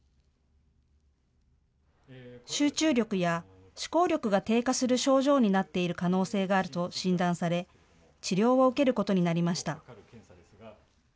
集中力や思考力が低下する症状になっている可能性があると診断され治療を受けることになりました。